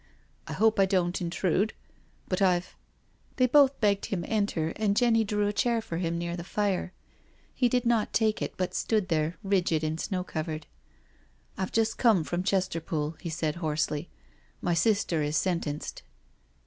I hoj>e I don't intrude •,• but I've ••• JOE'S SURRENDER 305 They both begged him enter^ and Jenny drew a chair for him near the fire. He did not take it, but stood there, rigid and snow covered. " I've just come from Chesterpool," he said hoarsely. •• My sister is sentenced.